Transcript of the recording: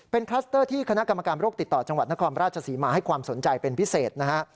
เป็นคลัสเตอร์ที่คณะกรรมการโรคติดต่อจังหวัดนครราชศรีมาให้ความสนใจเป็นพิเศษนะฮะ